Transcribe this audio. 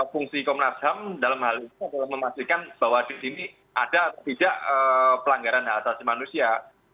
fungsi komnas ham dalam hal ini adalah memastikan bahwa di sini ada atau tidak pelanggaran hak asasi manusia